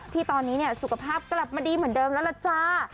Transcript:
ที่ตอนนี้สุขภาพกลับมาดีเหมือนเดิมแล้วล่ะจ้า